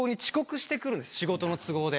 仕事の都合で。